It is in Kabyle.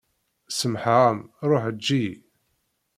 Semmḥeɣ-am ṛuḥ eǧǧ-iyi.